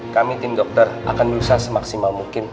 kami tim dokter akan berusaha semaksimal mungkin